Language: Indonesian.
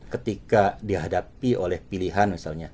ketika dihadapi oleh pilihan misalnya